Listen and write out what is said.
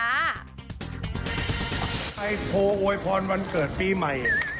โทรอวยพรวันเกิดปีใหม่